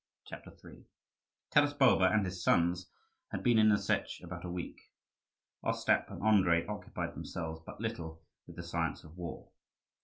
CHAPTER III Taras Bulba and his sons had been in the Setch about a week. Ostap and Andrii occupied themselves but little with the science of war.